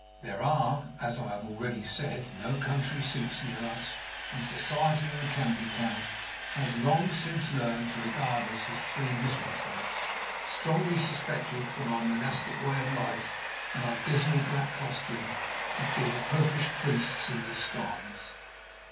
There are, as I have already said, no country seats near us; and society in the county town has long since learned to regard us as three misanthropes, strongly suspected, from our monastic way of life and our dismal black costume, of being popish priests in disguise.